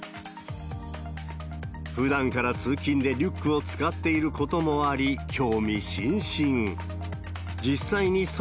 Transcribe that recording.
ふだんから通勤でリュックを使っていることもあり、興味津々。